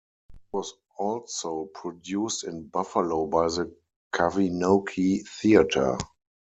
It was also produced in Buffalo by the Kavinoky Theatre.